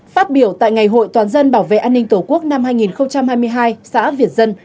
phát biểu tại ngày hội toàn dân bảo vệ an ninh tổ quốc năm hai nghìn hai mươi hai xã việt dân